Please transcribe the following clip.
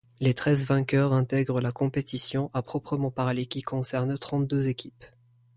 Les treize vainqueurs intègrent la compétition à proprement parler qui concerne trente deux équipes.